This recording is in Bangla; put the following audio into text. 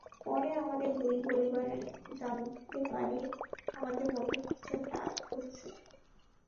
পরে আমাদের দুই পরিবার জানতে পারে আমাদের মধ্যে কিছু একটা হচ্ছে।